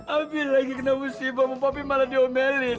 ambi lagi kena usibamu papi malah diomelin